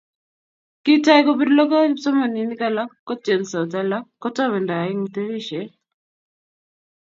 Kitou kopir lokoi kipsomaninik alak, kotensot alak akotobendoi eng tirishet